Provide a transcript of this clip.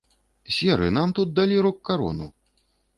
Серы, нам тут далі рок-карону!